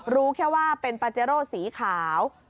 รู้แค่ว่าเป็นปาเจโร่สีขาว